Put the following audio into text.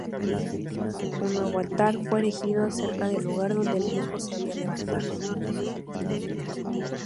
Un nuevo altar fue erigido cerca del lugar donde el viejo se había levantado.